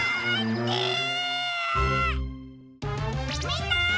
みんな！